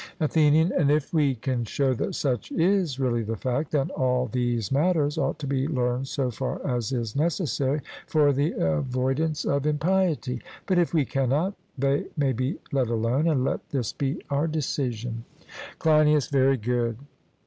ATHENIAN: And if we can show that such is really the fact, then all these matters ought to be learned so far as is necessary for the avoidance of impiety; but if we cannot, they may be let alone, and let this be our decision. CLEINIAS: Very good.